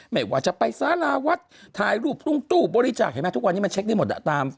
ไม่ว่าจะไปสาราวัดถ่ายรูปตรงตู้บริจาคเห็นไหมทุกวันนี้มันเช็คได้หมด